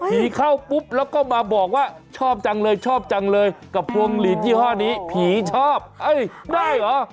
เข้าปุ๊บแล้วก็มาบอกว่าชอบจังเลยชอบจังเลยกับพวงหลีดยี่ห้อนี้ผีชอบเอ้ยได้เหรอ